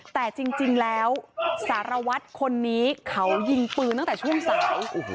แต่จริงแล้วสารวัตรคนนี้เขายิงปืนตั้งแต่ช่วงสาย